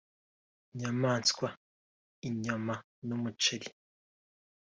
inyamaswa (inyama) n’umuceri